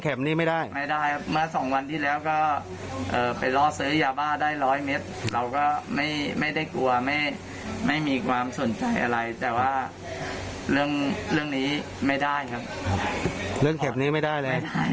นอนโรงพยาบาลไปละเจ็ดวัน